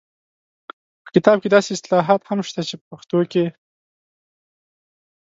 په کتاب کې داسې اصطلاحات هم شته چې په پښتو کې